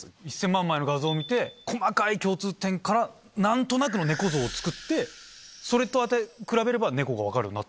１０００万枚の画像を見て細かい共通点から何となくのネコ像を作ってそれと比べればネコが分かるようになった。